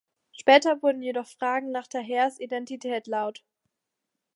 Später wurden jedoch Fragen nach Tahers Identität laut.